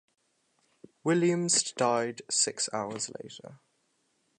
Williams died six hours later.